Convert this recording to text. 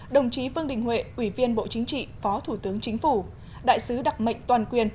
đồng chí vương đình huệ ủy viên bộ chính trị phó thủ tướng chính phủ đại sứ đặc mệnh toàn quyền